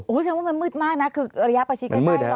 โหฉันว่ามันมืดมากนะคือระยะประชิกกันไกล